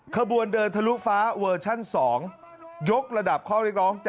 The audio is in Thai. ขบวนเดินทะลุฟ้าเวอร์ชัน๒ยกระดับข้อเรียกร้อง